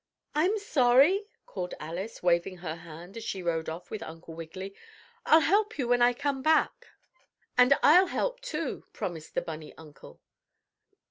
"I'm sorry!" called Alice, waving her hand as she rode off with Uncle Wiggily. "I'll help you when I come back." "And I'll help too," promised the bunny uncle.